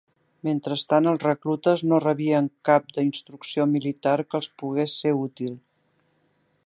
Mentrestant, els reclutes no rebien cap d'instrucció militar que els pogués ser útil.